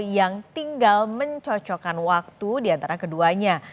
yang tinggal mencocokkan waktu di antara keduanya